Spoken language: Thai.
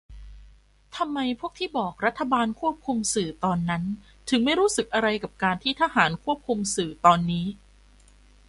ทำไมพวกที่บอก รัฐบาลควบคุมสื่อตอนนั้น ถึงไม่รู้สึกอะไรกับการที่ทหารควบคุมสื่อตอนนี้ ?